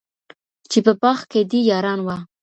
چي په باغ کي دي یاران وه